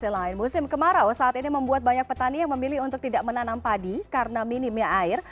selain musim kemarau saat ini membuat banyak petani yang memilih untuk tidak menanam padi karena minimnya air